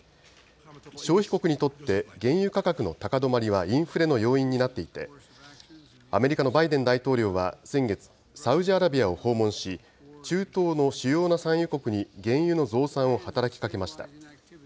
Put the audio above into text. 消費国にとって原油価格の高止まりはインフレの要因になっていてアメリカのバイデン大統領は先月サウジアラビアを訪問し中東の主要な産油国に原油の増産を働きかけました。